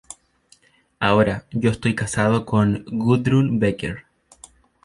Ahora, yo estoy casado con Gudrun Becker.